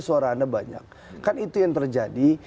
suara anda banyak kan itu yang terjadi